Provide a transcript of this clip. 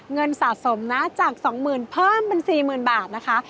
เงินสะสมนะจาก๒๐๐๐เพิ่มเป็น๔๐๐๐บาทนะคะ